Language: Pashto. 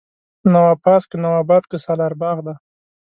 نواپاس، که نواباد که سالار باغ دی